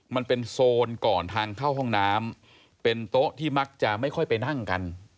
มันเป็นโซนก่อนทางเข้าห้องน้ำเป็นโต๊ะที่มักจะไม่ค่อยไปนั่งกัน